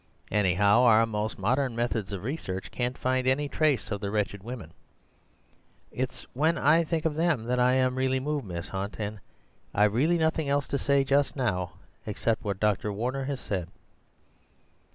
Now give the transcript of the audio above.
Anyhow, our most modern methods of research can't find any trace of the wretched women. It's when I think of them that I am really moved, Miss Hunt. And I've really nothing else to say just now except what Dr. Warner has said."